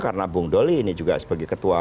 karena bung doli ini juga sebagai ketua